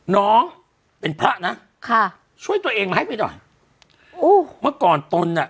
น้องเป็นพระนะค่ะช่วยตัวเองมาให้ไปหน่อยโอ้เมื่อก่อนตนอ่ะ